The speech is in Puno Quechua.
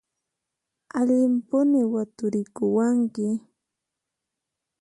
Allimpuni waturikuwanki!